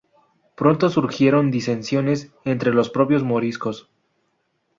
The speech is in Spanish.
Pronto surgieron disensiones entre los propios moriscos.